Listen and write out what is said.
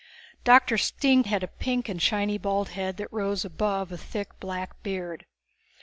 Doctor Stine had a pink and shiny bald head that rose above a thick black beard.